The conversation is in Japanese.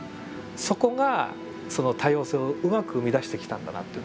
そこがその多様性をうまく生み出してきたんだなって。